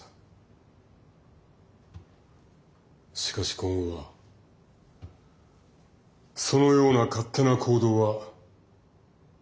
しかし今後はそのような勝手な行動は慎んでいただきたい。